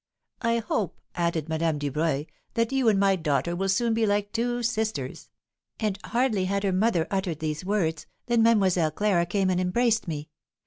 'I hope,' added Madame Dubreuil, 'that you and my daughter will soon be like two sisters;' and hardly had her mother uttered these words, than Mademoiselle Clara came and embraced me.